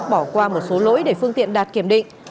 bỏ qua một số lỗi để phương tiện đạt kiểm định